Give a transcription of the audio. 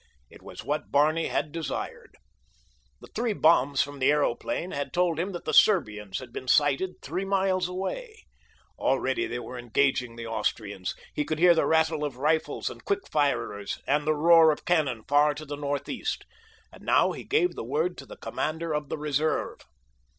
It was what Barney had desired. The three bombs from the aeroplane had told him that the Serbians had been sighted three miles away. Already they were engaging the Austrians. He could hear the rattle of rifles and quick firers and the roar of cannon far to the northeast. And now he gave the word to the commander of the reserve.